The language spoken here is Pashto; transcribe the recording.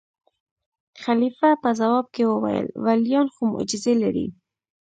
خلیفه په ځواب کې وویل: ولیان خو معجزې لري.